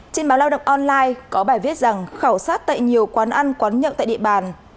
trên báo lao động online có bài viết rằng khảo sát tại nhiều quán ăn quán nhậu tại địa bàn